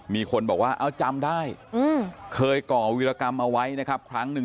มีคนบอกว่าเอาจำได้เคยก่อวิรกรรมเอาไว้นะครับครั้งหนึ่ง